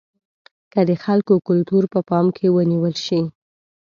که د خلکو کلتور په پام کې ونیول شي.